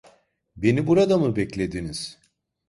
Beni burada mı beklediniz?